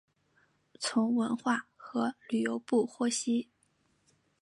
从文化和旅游部获悉